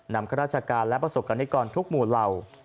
นำข้าราชการและประสบการณ์นิกรทุกหมู่เลา